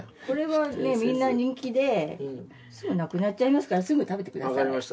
これはみんな人気ですぐなくなっちゃいますからすぐ食べてください。